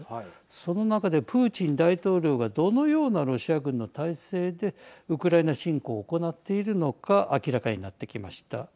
その中でプーチン大統領がどのようなロシア軍の態勢でウクライナ侵攻を行っているのか明らかになってきました。